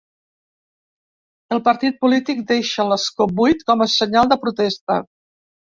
El partit polític deixa l'escó buit com a senyal de protesta